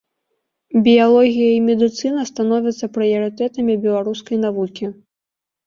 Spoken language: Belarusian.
Біялогія і медыцына становяцца прыярытэтамі беларускай навукі.